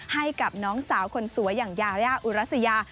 ให้กับน้องสาวคนสวยอย่างยายาอุรัสยา